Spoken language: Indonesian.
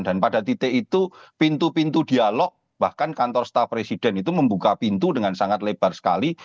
dan pada titik itu pintu pintu dialog bahkan kantor staf presiden itu membuka pintu dengan sangat lebar sekali